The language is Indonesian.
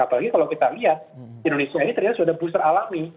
apalagi kalau kita lihat indonesia ini ternyata sudah booster alami